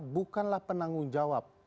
bukanlah penanggung jawab